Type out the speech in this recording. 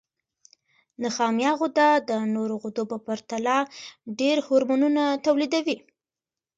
نخامیه غده د نورو غدو په پرتله ډېر هورمونونه تولیدوي.